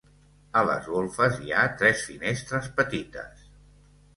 A les golfes hi ha tres finestres petites.